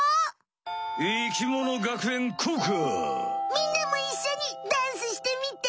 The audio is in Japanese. みんなもいっしょにダンスしてみて！